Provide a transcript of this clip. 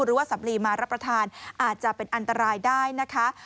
หรือว่าสำลีมารับประทานอาจจะเป็นอันตรายได้นะคะ